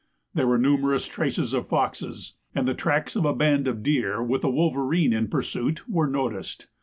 There were numerous traces of foxes, and the tracks of a band of deer, with a wolverine in pursuit, were noticed.